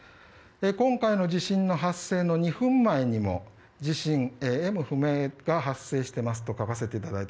今回の地震の発生の２分前にも地震が発生しています。